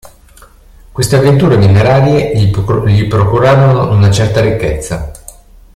Queste avventure minerarie gli procurarono una certa ricchezza.